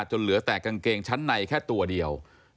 เหลือแต่กางเกงชั้นในแค่ตัวเดียว